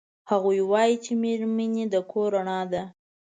هغوی وایي چې میرمنې د کور رڼا ده